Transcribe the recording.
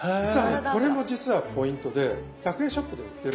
これも実はポイントで１００円ショップで売ってるこの入れ物。